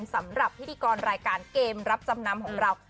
สำหรับพิธีกรรายการเกมรับจำนำของเรา